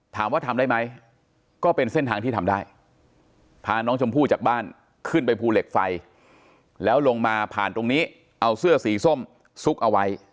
ถามว่าทำได้ไหมก็เป็นเส้นทางที่ทำได้พาน้องชมพู่จากบ้านขึ้นไปภูเหล็กไฟแล้วลงมาผ่านตรงนี้เอาเสื้อสีส้มซุกเอาไว้